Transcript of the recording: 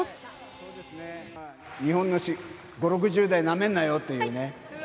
日本の５、６０代なめんなよっていうね。